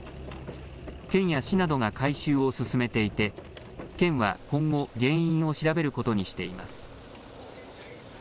県や市などが回収を進めていて、県は今後、原因を調べることにしています。